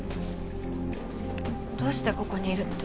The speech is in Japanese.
どうしてここにいるって。